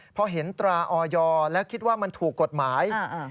พอเห็นตราออยแล้วคิดว่ามันถูกกฎหมาย